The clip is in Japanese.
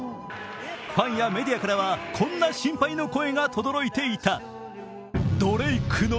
ファンやメディアからはこんな心配の声がとどろいていた。